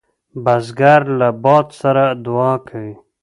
بزګر له باد سره دعا کوي